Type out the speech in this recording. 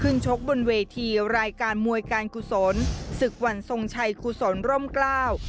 ชกบนเวทีรายการมวยการกุศลศึกวันทรงชัยกุศลร่มกล้า